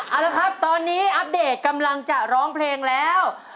เอาละครับตอนนี้อัปเดตกำลังจะร้องเพลงแล้ว